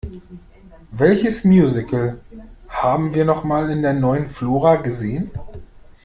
Welches Musical haben wir noch mal in der Neuen Flora gesehen?